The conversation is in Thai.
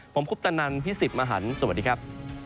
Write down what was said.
ผมคุปตะนันพี่สิทธิ์มหันฯสวัสดีครับ